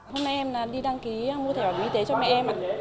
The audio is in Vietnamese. hôm nay em đi đăng ký mua thẻ bảo hiểm y tế cho mẹ em